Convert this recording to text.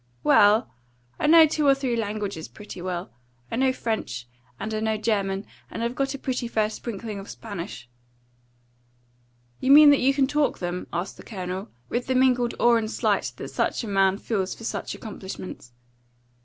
"Well, I know two or three languages pretty well. I know French, and I know German, and I've got a pretty fair sprinkling of Spanish." "You mean that you can talk them?" asked the Colonel, with the mingled awe and slight that such a man feels for such accomplishments.